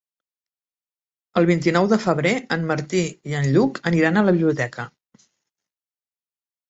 El vint-i-nou de febrer en Martí i en Lluc aniran a la biblioteca.